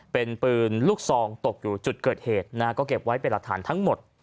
เป็นปืนลูกซองตกอยู่จุดเกิดเหตุนะฮะก็เก็บไว้เป็นหลักฐานทั้งหมด